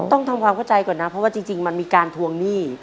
ต้องทำความเข้าใจก่อนนะเพราะว่าจริงมันมีการทวงหนี้